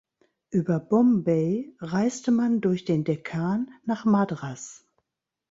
Über Bombay reiste man durch den Dekkan nach Madras.